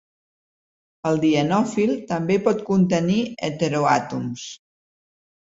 El dienòfil també pot contenir heteroàtoms.